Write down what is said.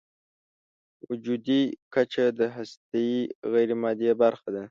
وجودي کچه د هستۍ غیرمادي برخه ده.